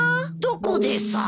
どこでさ。